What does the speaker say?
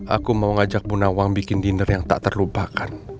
aku mau ngajak bu nawang bikin dinner yang tak terlupakan